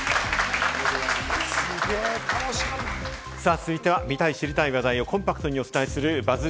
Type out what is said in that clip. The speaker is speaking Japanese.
続いては見たい知りたい話題をコンパクトにお伝えするＢＵＺＺ